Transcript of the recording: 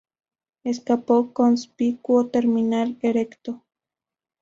Escapo conspicuo, terminal, erecto.